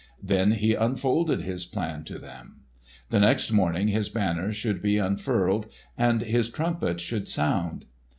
Then he unfolded his plan to them. The next morning his banner should be unfurled and his trumpet should sound.